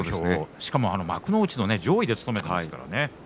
しかも、幕内の上位で務めているわけですからね。